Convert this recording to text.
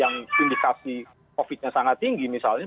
yang gejala sesak nafas yang indikasi covid nya sangat tinggi misalnya